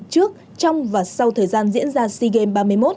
trước trong và sau thời gian diễn ra sigem ba mươi một